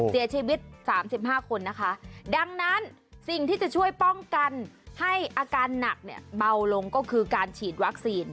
เสียชีวิต๓๕คนนะคะดังนั้นสิ่งที่จะช่วยป้องกันให้อาการหนักเนี่ยเบาลงก็คือการฉีดวัคซีน